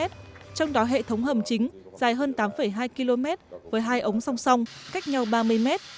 trong đó hệ thống hầm chính dài hơn tám hai km với hai ống song song cách nhau ba mươi mét